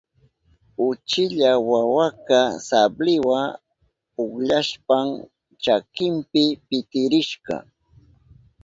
Uchilla wawaka sabliwa pukllashpan chakinpi pitirishka.